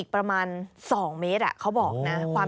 ฟุต๑นะฮะ